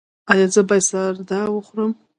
ایا زه باید سردا وخورم؟